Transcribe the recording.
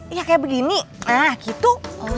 ya kayak begini nah gitu